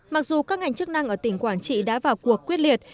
mặc dù các ngành chức năng ở tỉnh quảng trị đã vào cuộc quyết liệt